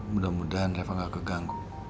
mudah mudahan reva nggak keganggu